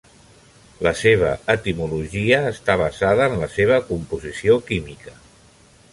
La seva etimologia està basada en la seva composició química.